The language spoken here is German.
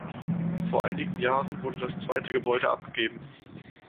Vor einigen Jahren wurde das zweite Gebäude abgegeben.